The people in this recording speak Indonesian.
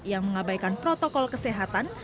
yang mengabaikan protokol kesehatan